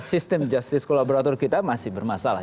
sistem justice kolaborator kita masih bermasalah